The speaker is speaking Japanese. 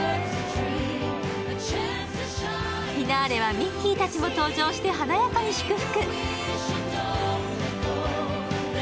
フィナーレはミッキーたちも登場して華やかに祝福。